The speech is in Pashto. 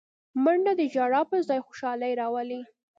منډه د ژړا پر ځای خوشالي راولي